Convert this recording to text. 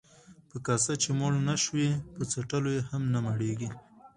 ـ په کاسه چې موړ نشوې، په څټلو يې هم نه مړېږې.